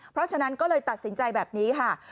เพราะฉะนั้นก็เลยตัดสินใจแบบนี้ค่ะ